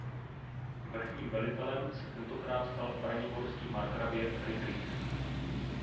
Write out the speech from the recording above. Vrchním velitelem se tentokrát stal braniborský markrabě Fridrich.